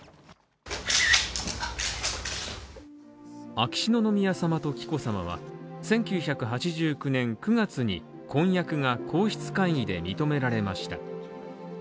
秋篠宮さまと紀子さまは、１９８９年９月に婚約が、皇室会議で認められました。